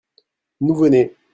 nouveau-né.